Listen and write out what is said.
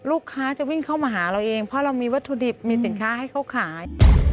ลูกค้าจะวิ่งเข้ามาหาเราเองเพราะเรามีวัตถุดิบมีสินค้าให้เขาขาย